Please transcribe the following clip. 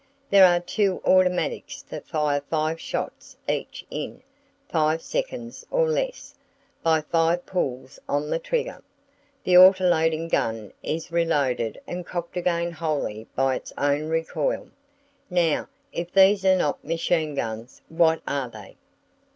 There are two automatics that fire five shots each in five seconds or less, by five pulls on the trigger! The autoloading gun is reloaded and cocked again wholly by its own recoil. Now, if these are not machine guns, what are they?